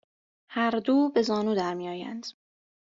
هر دو به زانو درمیآیند